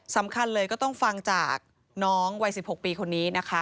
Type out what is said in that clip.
สำคัญเลยก็ต้องฟังจากน้องวัย๑๖ปีคนนี้นะคะ